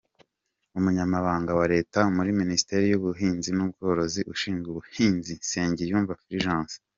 Umunyamabanga wa Leta muri Minisiteri y’Ubuhinzi n’Ubworozi ushinzwe ubuhinzi: Nsengiyumva Fulgence.